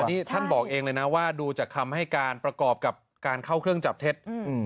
นี่ท่านบอกเองเลยนะว่าดูจากคำให้การประกอบกับการเข้าเครื่องจับเท็จ